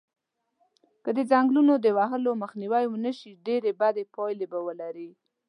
که د ځنګلونو د وهلو مخنیوی و نشی ډیری بدی پایلی به ولری